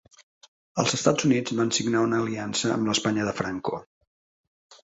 Els Estats Units van signar una aliança amb l'Espanya de Franco.